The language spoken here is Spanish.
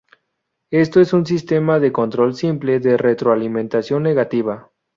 Esto es un sistema de control simple de retroalimentación negativa.